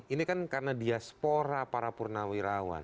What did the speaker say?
ini kan karena diaspora para purnawirawan